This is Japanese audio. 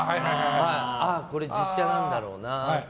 これ実写なんだろうなって。